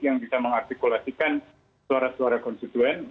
yang bisa mengartikulasikan suara suara konstituen